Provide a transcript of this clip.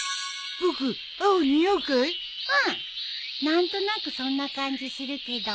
何となくそんな感じするけど。